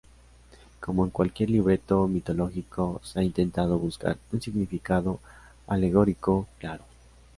Como en cualquier libreto mitológico, se ha intentado buscar un significado alegórico claro.